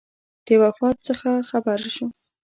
د وفات څخه خبر شو.